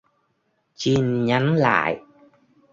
Chinh nhắn lại